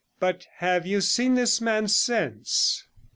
But have you seen this man since?'